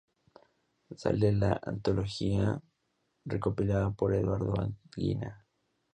Sale la "Antología", recopilada por Eduardo Anguita.